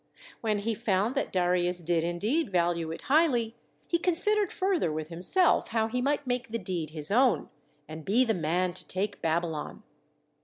When he found that Darius did indeed value it highly, he considered further with himself how he might make the deed his own, and be the man to take Babylon.